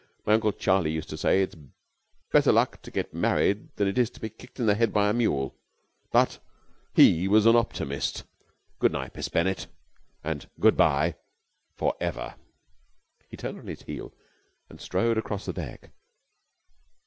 My uncle Charlie used to say 'It's better luck to get married than it is to be kicked in the head by a mule.' But he was an optimist. Good night, Miss Bennett. And good bye for ever." He turned on his heel and strode across the deck.